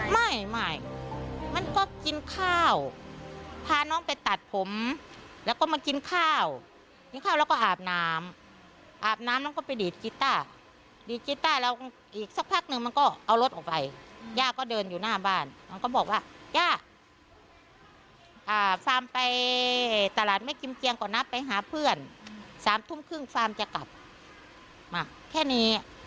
๓ทุ่มครึ่งฟาร์มจะกลับมาแค่นี้มันก็ไปเลยไง